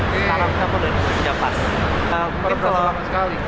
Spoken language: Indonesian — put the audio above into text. sekarang aku udah nunggu sejam pas